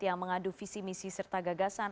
yang mengadu visi misi serta gagasan